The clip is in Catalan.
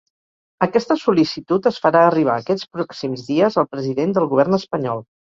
Aquesta sol·licitud es farà arribar ‘aquests pròxims dies’ al president del govern espanyol.